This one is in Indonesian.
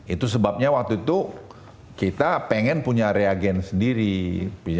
itu sebabnya waktu itu kita pengen punya reagen sendiri